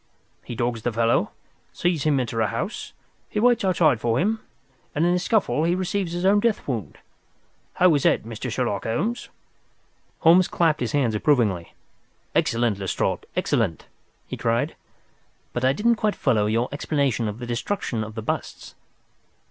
He dogs the fellow, he sees him enter a house, he waits outside for him, and in the scuffle he receives his own death wound. How is that, Mr. Sherlock Holmes?" Holmes clapped his hands approvingly. "Excellent, Lestrade, excellent!" he cried. "But I didn't quite follow your explanation of the destruction of the busts."